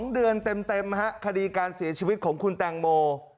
๒เดือนเต็มคดีการเสียชีวิตของคุณแตงโม